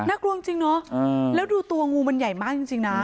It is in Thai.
กลัวจริงเนอะแล้วดูตัวงูมันใหญ่มากจริงนะ